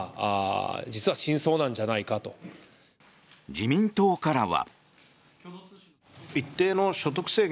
自民党からは。